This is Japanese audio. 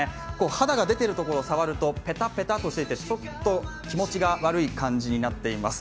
肌が出ているところを触るとぺたぺたっとしていてちょっと気持ちが悪い感じになっています。